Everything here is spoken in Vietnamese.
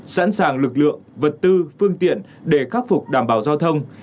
sẵn sàng lực lượng vật tư phương tiện để khắc phục đảm bảo giao thông